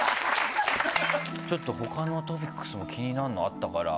ちょっと他のトピックスも気になるのあったから。